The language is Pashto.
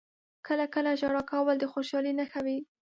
• کله کله ژړا کول د خوشحالۍ نښه وي.